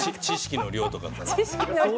知識の量とかが。